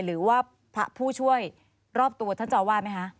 หรือว่าพระผู้ช่วยรอบตัวท่านเจ้าอาวาสไหมคะ